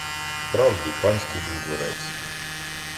По правді, панський був дворець.